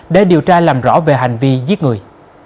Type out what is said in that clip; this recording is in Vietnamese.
để điều tra làm rõ về hành vi giết người